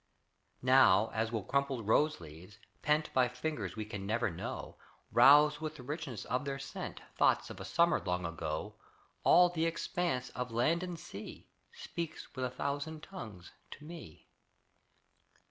Now as will crumpled rose leaves, pent By fingers we can never know, Rouse with the richness of their scent, Thoughts of a summer long ago, All the expanse of land and sea Speaks with a thousand tongues to me.